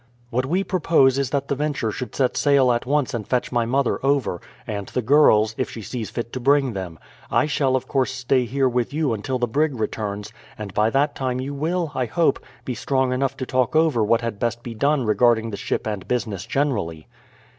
"What we propose is that the Venture should set sail at once and fetch my mother over, and the girls, if she sees fit to bring them. I shall of course stay here with you until the brig returns, and by that time you will, I hope, be strong enough to talk over what had best be done regarding the ship and business generally."